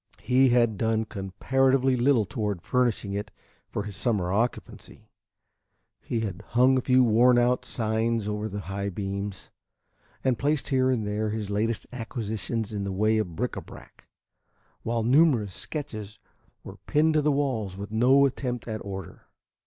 He had done comparatively little toward furnishing it for his summer occupancy. He had hung a few worn out seines over the high beams, and placed here and there his latest acquisitions in the way of bric à brac, while numerous sketches were pinned to the walls with no attempt at order.